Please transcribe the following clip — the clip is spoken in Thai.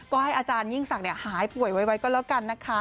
ก็ให้อาจารยิ่งศักดิ์หายป่วยไวก็แล้วกันนะคะ